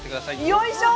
よいしょ！